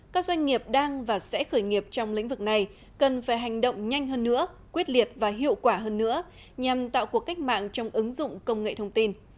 các doanh nghiệp đang và sẽ khởi nghiệp trong lĩnh vực này cần phải hành động nhanh hơn nữa quyết liệt và hiệu quả hơn nữa nhằm tạo cuộc cách mạng trong ứng dụng công nghệ thông tin